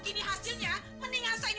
dicuknya kurang bersih